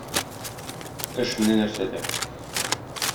Эш менә нәрсәдә.